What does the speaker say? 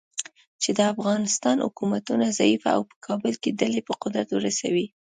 چې د افغانستان حکومتونه ضعیفه او په کابل کې ډلې په قدرت ورسوي.